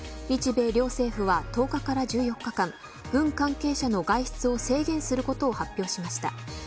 日米両政府は１０日から１４日間軍関係者の外出を制限することを発表しました。